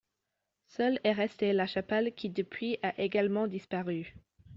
Seule est restée la chapelle qui depuis a également disparu.